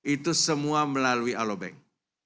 itu semua melalui alo bank